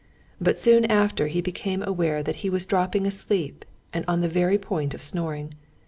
But soon after he became aware that he was dropping asleep and on the very point of snoring.